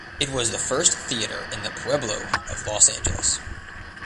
It was the first theater in the Pueblo of Los Angeles.